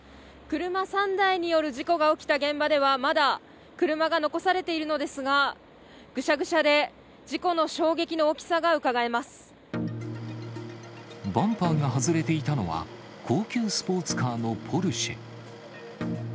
車３台による事故が起きた現場では、まだ車が残されているのですが、ぐしゃぐしゃで、事故のバンパーが外れていたのは、高級スポーツカーのポルシェ。